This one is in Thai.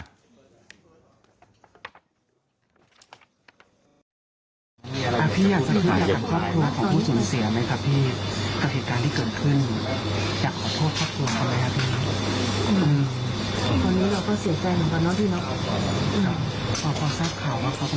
นายสงสารหักฮอบครัวของผู้สูญเสรียว่ามั้ยคะพี่